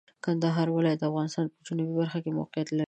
کندهار ولایت د افغانستان په جنوبي برخه کې موقعیت لري.